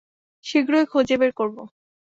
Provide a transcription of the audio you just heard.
শীঘ্রই খুঁজে বের করবো।